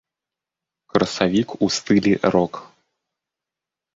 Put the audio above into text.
Красавік у стылі рок.